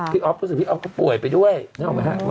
พี่ออฟรู้สึกว่าพี่ออฟก็ป่วยไปด้วยน่าเอาไหมฮะ